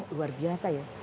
luar biasa ya